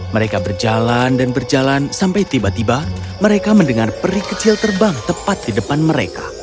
mereka berjalan dan berjalan sampai tiba tiba mereka mendengar peri kecil terbang tepat di depan mereka